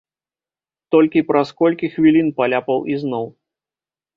Толькі праз колькі хвілін паляпаў ізноў.